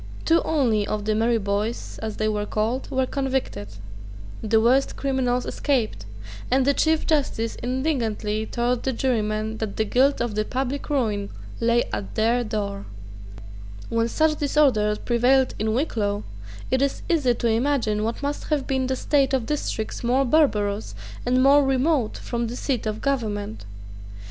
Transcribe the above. Two only of the Merry Boys, as they were called, were convicted: the worst criminals escaped; and the Chief justice indignantly told the jurymen that the guilt of the public ruin lay at their door, When such disorder prevailed in Wicklow, it is easy to imagine what must have been the state of districts more barbarous and more remote from the seat of government.